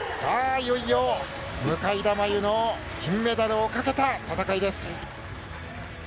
いよいよ、向田真優の金メダルをかけた戦いです。